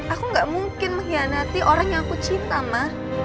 aku gak mungkin mengkhianati orang yang aku cinta ma